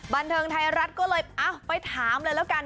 บันเทิงไทยรัฐก็เลยไปถามเลยแล้วกัน